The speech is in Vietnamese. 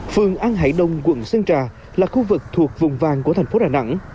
phương an hải đông quận sơn trà là khu vực thuộc vùng vàng của tp đà nẵng